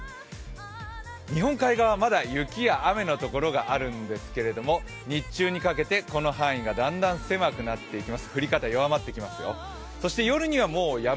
日本海側まだ雪や雨の所があるんですけれども、日中にかけてこの範囲がだんだん狭くなっていきます。